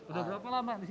sudah berapa lama di sini